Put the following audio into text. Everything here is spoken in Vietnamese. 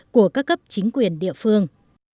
của các cấp chính quyền địa phương